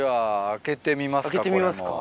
開けてみますか。